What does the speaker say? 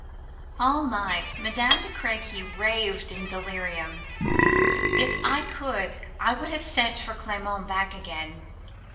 "All night Madame de Crequy raved in delirium. If I could I would have sent for Clement back again.